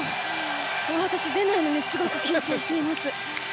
私、出ないのにすごく緊張しています。